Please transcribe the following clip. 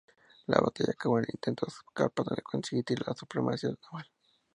La batalla acabó con el intento espartano de conseguir la supremacía naval.